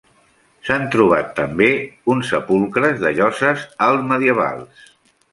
S'han trobat també uns sepulcres de lloses alt-medievals.